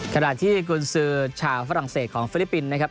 ขณะที่กุญสือชาวฝรั่งเศสของฟิลิปปินส์นะครับ